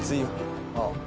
ああ。